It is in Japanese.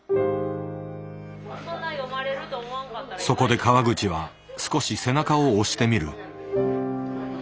そこで川口は少し背中を押してみる。